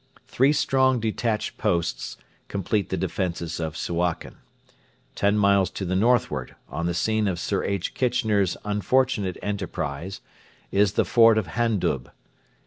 Three strong detached posts complete the defences of Suakin. Ten miles to the northward, on the scene of Sir H. Kitchener's unfortunate enterprise, is the fort of Handub.